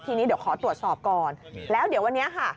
ทีนี้เดี๋ยวขอตรวจสอบก่อนแล้วเดี๋ยววันนี้ค่ะ